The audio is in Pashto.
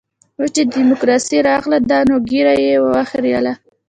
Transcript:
اوس چې ډيموکراسي راغلې ده نو ږيره يې وخرېیله.